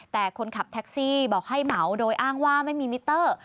แต่คนขับแท็กซี่บอกให้เหมาโดยอ้างว่าไม่มีมิเตอร์